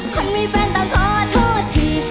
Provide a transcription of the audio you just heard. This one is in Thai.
ท่านมีแฟนต้องขอโทษที